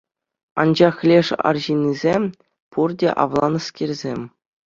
Анчах леш арҫынӗсем — пурте авланнӑскерсем.